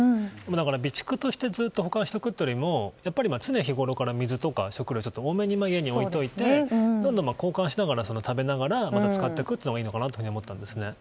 だから備蓄としてずっと保管しておくというよりも常日ごろから水とか食料を多めに家に置いておいてどんどん交換して、食べながら使っていくというのがいいのかなと思ったんです。